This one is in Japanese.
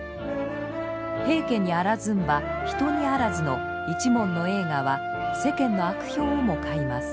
「平家にあらずんば人にあらず」の一門の栄華は世間の悪評をも買います。